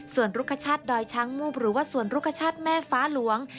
ส่วนรุกชาติดอยช้างมูบหรือว่าสวนรุกชาติแม่ฟ้าหลวง